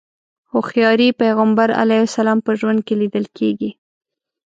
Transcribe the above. هوښياري پيغمبر علیه السلام په ژوند کې ليدل کېږي.